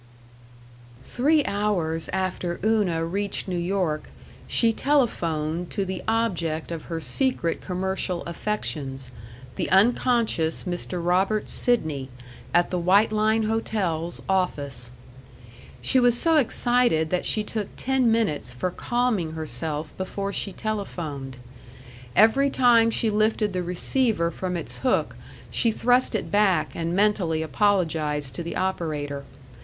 § 4 Three hours after Una reached New York she telephoned to the object of her secret commercial affections, the unconscious Mr. Robert Sidney, at the White Line Hotels office. She was so excited that she took ten minutes for calming herself before she telephoned. Every time she lifted the receiver from its hook she thrust it back and mentally apologized to the operator.